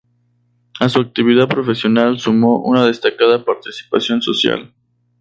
A su actividad profesional sumó una destacada participación social.